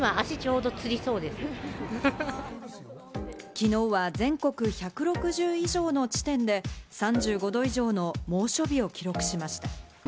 きのうは全国１６０以上の地点で３５度以上の猛暑日を記録しました。